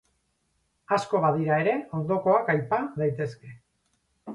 Asko badira ere, ondokoak aipa daitezke.